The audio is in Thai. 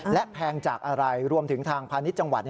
และแพงจากอะไรรวมถึงทางพาณิชย์จังหวัด